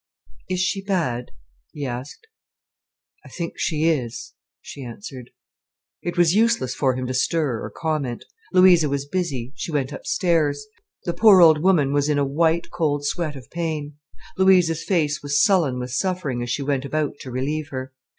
"Is she bad?" he asked. "I think she is," she answered. It was useless for him to stir or comment. Louisa was busy. She went upstairs. The poor old woman was in a white, cold sweat of pain. Louisa's face was sullen with suffering as she went about to relieve her.